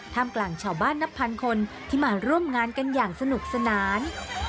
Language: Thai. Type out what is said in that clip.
กลางชาวบ้านนับพันคนที่มาร่วมงานกันอย่างสนุกสนาน